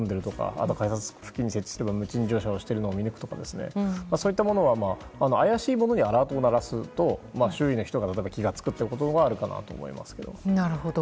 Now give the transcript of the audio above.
あとは改札付近に設置して無賃乗車を見抜くとかそういったものを怪しいものにアラートを鳴らすと周囲の人が気が付くということはあるかなと思いますけど。